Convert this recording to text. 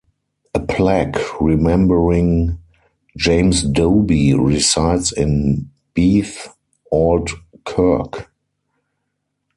A plaque remembering James Dobie resides in Beith Auld Kirk.